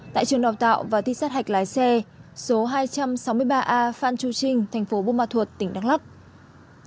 tại trường đào tạo và thi sát hạch lái xe số hai trăm sáu mươi ba a phan chu trinh thành phố buôn ma thuột tỉnh đắk lắc